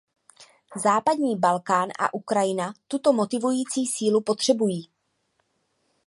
Západní Balkán a Ukrajina tuto motivující sílu potřebují.